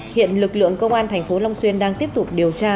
hiện lực lượng công an thành phố long xuyên đang tiếp tục điều tra